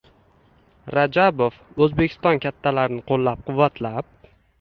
Rajabov O’zbekiston kattalarini qo‘llab-quvvatlab